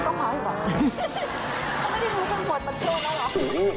ก็ไม่ได้รู้ทั้งหมดมันเท่านั้นหรอ